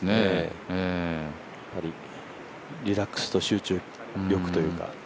やっぱりリラックスと集中力というか。